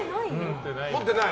持ってない。